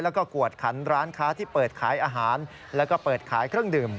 แล้วก็กวดขันร้านค้าที่เปิดขายอาหารแล้วก็เปิดขายเครื่องดื่ม